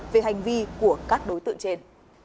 về hành vi của các đối tượng trên